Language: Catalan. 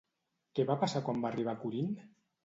Què va passar quan va arribar a Corint?